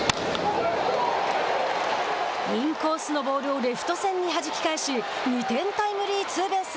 インコースのボールをレフト線にはじき返し２点タイムリーツーベース。